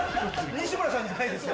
西村さんじゃないですよ。